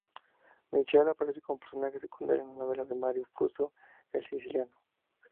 Michael aparece como personaje secundario en la novela de Mario Puzo, "El siciliano".